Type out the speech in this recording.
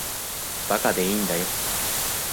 馬鹿でいいんだよ。